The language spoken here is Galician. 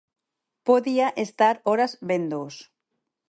Podía estar horas véndoos.